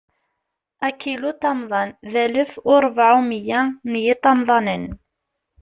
Akiluṭamḍan, d alef u rebɛa u miyya n yiṭamḍanen.